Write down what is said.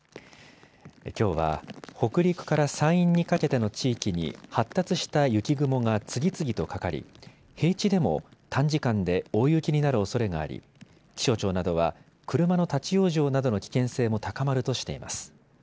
きょうは北陸から山陰にかけての地域に発達した雪雲が次々とかかり平地でも短時間で大雪になるおそれがあり気象庁などは車の立往生などの危険性も高まるとしています。